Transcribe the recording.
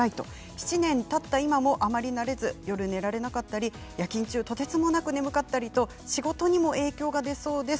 ７年たった今でも、あまり慣れず夜勤中とてつもなく眠かったりと仕事にも影響が出そうです。